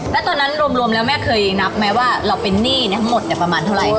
แล้วตอนนั้นรวมแล้วแม่เคยนับไหมว่าเราเป็นหนี้ทั้งหมดประมาณเท่าไหร่